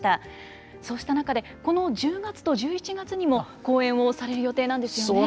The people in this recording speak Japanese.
そうした中でこの１０月と１１月にも公演をされる予定なんですよね。